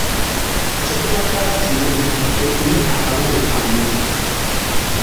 Kye tubasaba kimu mukuume akalulu kammwe.